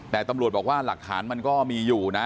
แต่ตำรวจบอกว่าหลักฐานมันก็มีอยู่นะ